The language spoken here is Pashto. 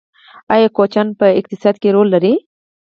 آیا کوچیان په اقتصاد کې رول لري؟